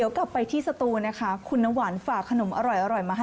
อย่าปล่อยให้มันให้ฉันรักเธอข้างดีแล้ว